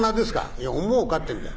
「いや『思うか？』っての」。